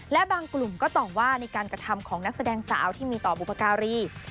และบางกลุ่มก็ตอบว่าในการกระทำของนักแสดงสาวที่มีต่อบุพการี